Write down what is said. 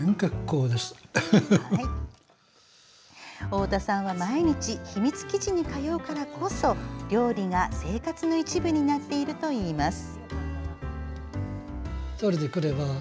太田さんは、毎日秘密基地に通うからこそ料理が生活の一部になっているといいます。